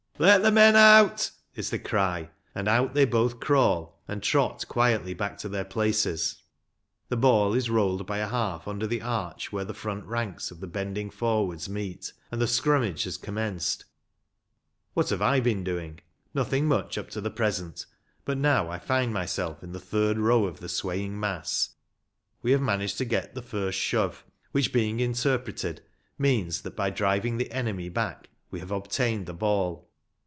" Let the men out," is the cry, and out they both crawl, and trot quietly back to their places. The ball is rolled by a half under the arch where the front ranks of the bending forwards meet, and the scrummage has commenced. What have I been doing .' Nothing much up to the present, but now I find myself in the third row of the swaying mass. We have 2o8 RUGBY FOOTBALL. managed to get the first shove, which, being inter preted, means that by driving the enemy back we have obtained the ball.